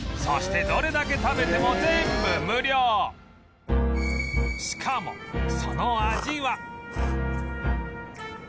そしてどれだけ食べてもしかもその味は